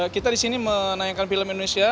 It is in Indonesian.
kita disini menaikkan film indonesia